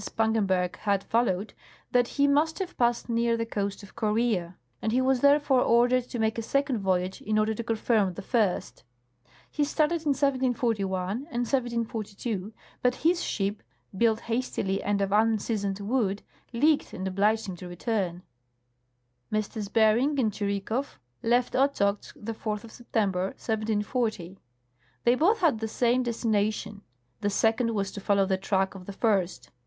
Spangenberg had followed that he must have passed near the coast of Corea, and he was therefore ordered to make a second voyage in order to confirm the first. He started in 1741 and 1742, but his ship, built hastily and of unseasoned wood, leaked and obliged him to return. " MM. Bering and Tschirikow left Ochozk the 4th of September, 1740. They both had the same destination ; the second was to follow the track of the first.